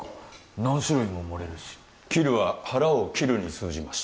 何種類も盛れるし切るは腹を切るに通じます